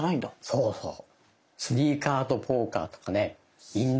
そうそう。